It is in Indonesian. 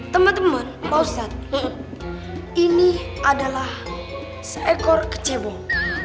teman teman pak ustadz ini adalah seekor kecebong